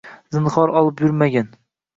Zinhor olib yurmagin.